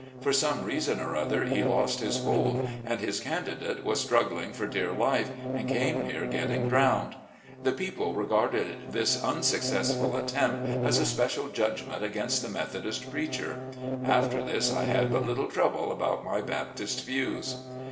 For some reason or other, he lost his hold and his candidate was struggling for dear life, and came near getting drowned. The people regarded this unsuccessful attempt as a special judgment against the Methodist preacher. After this I had but little trouble about my Baptist views.